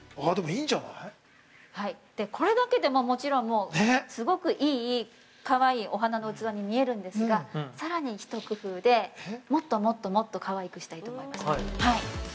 ◆これだけでももちろん、もうすごくいい、かわいいお花の器に見えるんですが、さらに一工夫で、もっともっともっとかわいくしたいと思います。